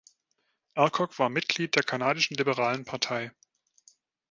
Alcock war Mitglied der kanadischen Liberalen Partei.